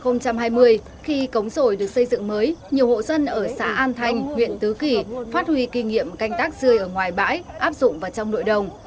năm hai nghìn hai mươi khi cống rồi được xây dựng mới nhiều hộ dân ở xã an thanh huyện tứ kỳ phát huy kinh nghiệm canh tác dươi ở ngoài bãi áp dụng vào trong nội đồng